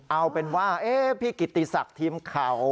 เอาเป็นว่าพี่กิติศักดิ์ทีมข่าว